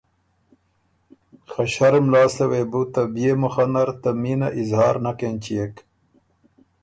خه ݭرُم لاسته وې بُو ته بيې مُخه نر ته مینه اظهار نک اېنچيېک